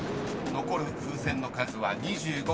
［残る風船の数は２５個］